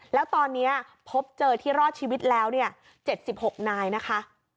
แล้วตอนนี้พบเจอที่รอดชีวิตแล้ว๗๖นายนะคะ